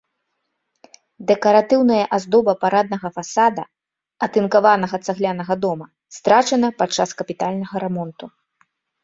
Дэкаратыўная аздоба параднага фасада атынкаванага цаглянага дома страчана падчас капітальнага рамонту.